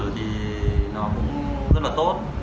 thì nó cũng rất là tốt